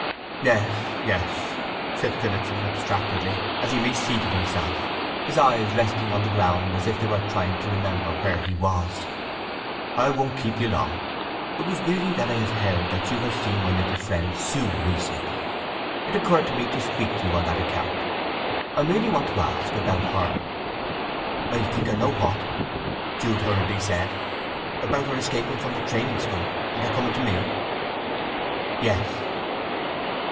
"Yes; yes," said Phillotson abstractedly, as he reseated himself, his eyes resting on the ground as if he were trying to remember where he was. "I won't keep you long. It was merely that I have heard that you have seen my little friend Sue recently. It occurred to me to speak to you on that account. I merely want to ask—about her." "I think I know what!" Jude hurriedly said. "About her escaping from the training school, and her coming to me?" "Yes."